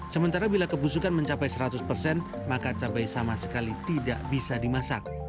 sementara bila kebusukan mencapai seratus persen maka cabai sama sekali tidak bisa dimasak